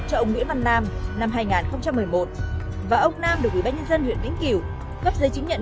cho ông nguyễn văn nam